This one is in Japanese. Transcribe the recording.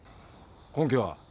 根拠は？